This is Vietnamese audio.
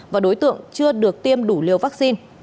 và đối tượng chưa được tiêm đủ liều vaccine